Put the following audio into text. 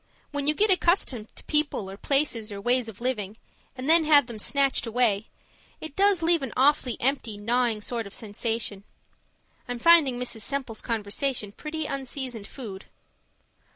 When you get accustomed to people or places or ways of living, and then have them snatched away, it does leave an awfully empty, gnawing sort of sensation. I'm finding Mrs. Semple's conversation pretty unseasoned food.